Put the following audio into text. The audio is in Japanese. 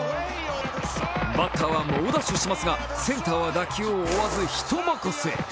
バッターは猛ダッシュしますが、センターは打球を追わず人任せ。